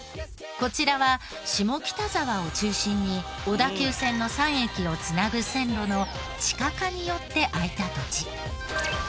こちらは下北沢を中心に小田急線の３駅を繋ぐ線路の地下化によって空いた土地。